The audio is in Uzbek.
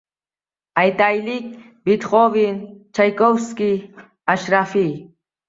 Aytaylik, Betxoven, Chaykovskiy, Ashrafiy...